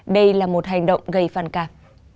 đây là một hành động gây phản cảm